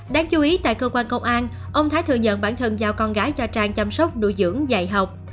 đáng chú ý tại cơ quan công an ông thái thừa nhận bản thân giao con gái cho trang chăm sóc nuôi dưỡng dạy học